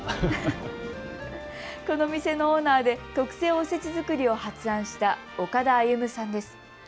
この店のオーナーで特製おせち作りを発案した岡田歩さんです。